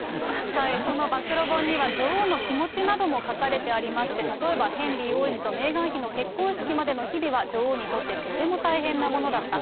その暴露本には女王の気持ちなども書かれてありまして、例えばヘンリー王子とメーガン妃の結婚式までの日々は女王にとってとても大変なものだった。